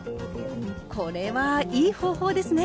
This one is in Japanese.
これはいい方法ですね。